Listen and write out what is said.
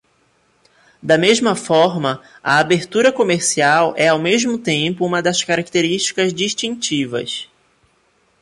Da mesma forma, a abertura comercial é ao mesmo tempo uma das características distintivas.